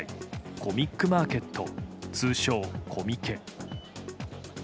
コミックマーケット、通称コミケ。